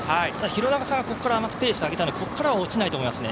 廣中さんがペース上げたのでここからは落ちないと思います。